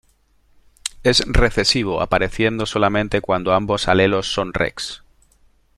Es recesivo, apareciendo solamente cuando ambos alelos son "rex".